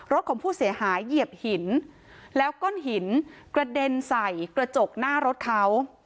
ของผู้เสียหายเหยียบหินแล้วก้อนหินกระเด็นใส่กระจกหน้ารถเขา